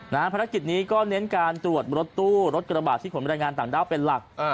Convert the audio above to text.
ภารกิจนี้ก็เน้นการตรวจรถตู้รถกระบาดที่ขนบรรยายงานต่างด้าวเป็นหลัก